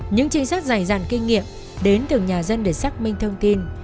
những trình sát dài dàn kinh nghiệm đến từ nhà dân để xác minh thông tin